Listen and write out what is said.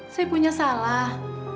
saya punya salah